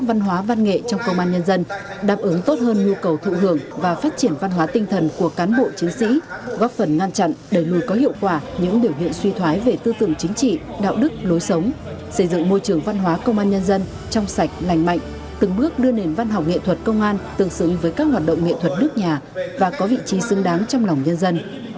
các văn hóa văn nghệ trong công an nhân dân đáp ứng tốt hơn nhu cầu thụ hưởng và phát triển văn hóa tinh thần của cán bộ chính sĩ góp phần ngăn chặn để nuôi có hiệu quả những điều hiện suy thoái về tư tưởng chính trị đạo đức lối sống xây dựng môi trường văn hóa công an nhân dân trong sạch lành mạnh từng bước đưa nền văn học nghệ thuật công an tự xử với các hoạt động nghệ thuật nước nhà và có vị trí xứng đáng trong lòng nhân dân